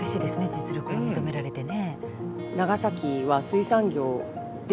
実力が認められてね。